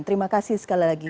terima kasih sekali lagi